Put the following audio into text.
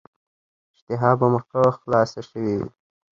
اشتها به مو هم ښه خلاصه شوې وي.